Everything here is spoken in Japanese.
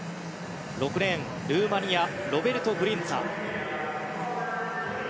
６レーン、ルーマニアロベルト・グリンツァ。